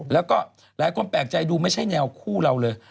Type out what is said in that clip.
แล้วก็หลายคนแปลกใจดูไม่ใช่แนวคู่เราเลย